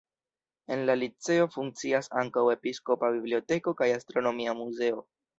En la liceo funkcias ankaŭ episkopa biblioteko kaj astronomia muzeo.